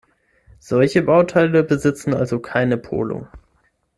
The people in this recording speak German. Solche Bauteile besitzen also keine Polung.